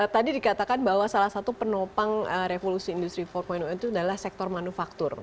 tadi dikatakan bahwa salah satu penopang revolusi industri empat itu adalah sektor manufaktur